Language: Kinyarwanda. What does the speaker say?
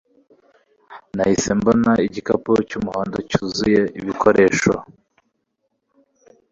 Nahise mbona igikapu cy'umuhondo cyuzuye ibikoresho